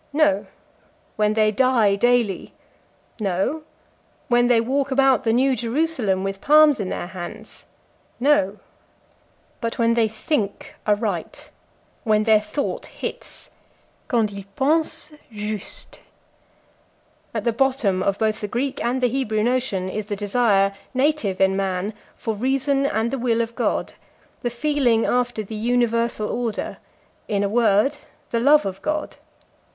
no; when they die daily? no; when they walk about the New Jerusalem with palms in their hands? no; but when they think aright, when their thought hits, "quand ils pensent juste." At the bottom of both the Greek and the Hebrew notion is the desire, native in man, for reason and the will of God, the feeling after the universal order, in a word, the love of God.